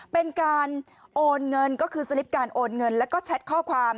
เป็นการโอนเงินก็คือสลิปการโอนเงินแล้วก็แชทข้อความ